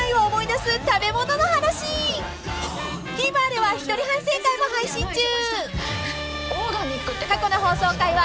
［ＴＶｅｒでは一人反省会も配信中］